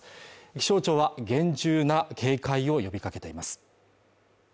気象庁は厳重な警戒を呼びかけています。